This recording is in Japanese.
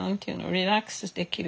リラックスできる。